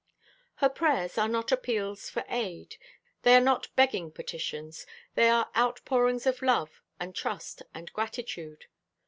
Her prayers are not appeals for aid; they are not begging petitions. They are outpourings of love and trust and gratitude.